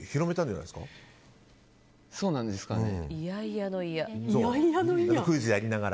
そうなんですかね。